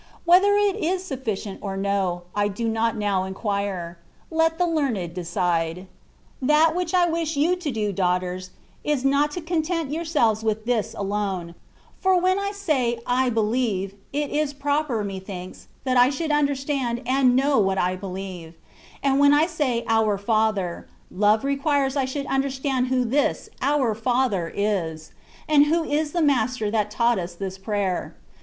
Whether it is sufficient or no, I do not now inquire : let the learned decide. That which I wish you to do, daughters, is not to content yourselves with this alone ; for when I say " I believe,^^ it is proper, methinks, that I should understand and know what I beheve ; and when I say " Our Father,^^ love requires I should understand who this Our Father is; and who is the master that taught us this prayer.